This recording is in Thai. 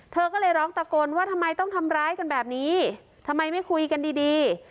เธอก็เลยร้องตะโกนว่าทำไมต้องทำร้ายกันแบบนี้ทำไมไม่คุยกันดีดี